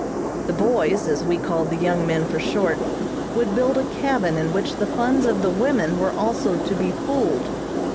The "boys," as we called the young men for short, would build a cabin in which the funds of the women were also to be pooled.